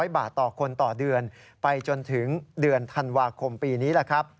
๑๐๐๒๐๐บาทต่อคนต่อเดือนไปจนถึงเดือนธันวาคมปีนี้